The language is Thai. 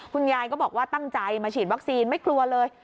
คุณยายก็บอกว่าตั้งใจมาฉีดวัคซีนไม่กลัวเลย